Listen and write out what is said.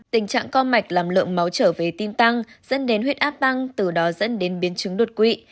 tình trạng co mạch làm lượng máu trở về tim tăng dẫn đến huyết áp tăng từ đó dẫn đến biến chứng đột quỵ